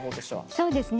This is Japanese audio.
そうですね。